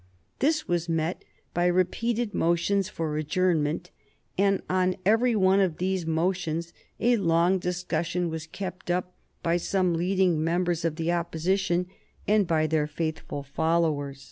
This was met by repeated motions for adjournment, and on every one of these motions a long discussion was kept up by some leading members of the Opposition and by their faithful followers.